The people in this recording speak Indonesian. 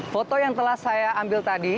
foto yang telah saya ambil tadi